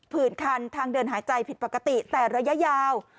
ื่นคันทางเดินหายใจผิดปกติแต่ระยะยาว